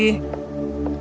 apakah kau tidak mendengar